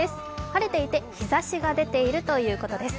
晴れていて、日ざしが出ているということです。